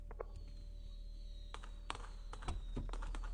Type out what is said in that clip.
তুমি এসব কথা বলছো?